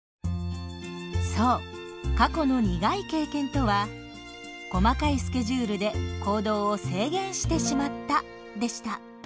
そう過去の苦い経験とは「細かいスケジュールで行動を制限してしまった」でした。